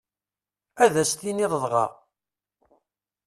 Ad as-t-tiniḍ dɣa?